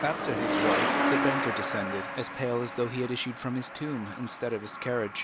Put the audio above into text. After his wife the banker descended, as pale as though he had issued from his tomb instead of his carriage.